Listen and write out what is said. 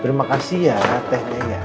terima kasih ya tehnya ya